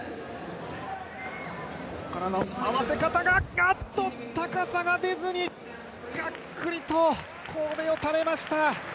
ここからの合わせ方が、あっと、高さが出ずにこうべを垂れました。